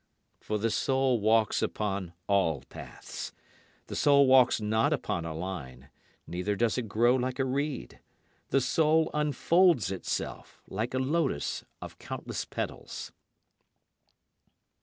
For the soul walks upon all paths. The soul walks not upon a line, neither does it grow like a reed. The soul unfolds itself, like a lotus of countless petals.